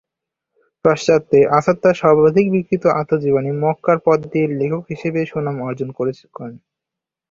পাশ্চাত্যে আসাদ তাঁর সর্বাধিক বিক্রিত আত্মজীবনী "মক্কার পথ" দিয়ে লেখক হিসাবে সুনাম অর্জন করেন।